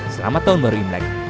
selamat tahun baru imlek